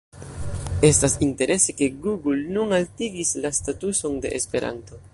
Estas interese, ke Google nun altigis la statuson de Esperanto.